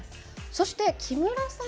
そして、木村さん